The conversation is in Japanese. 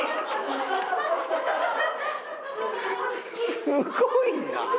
すごいな！